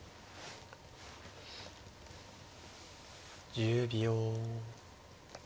１０秒。